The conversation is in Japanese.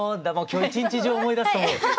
今日一日中思い出すと思う。